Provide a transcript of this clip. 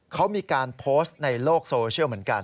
เขามีการโพสต์ในโลกโซเชียลเหมือนกัน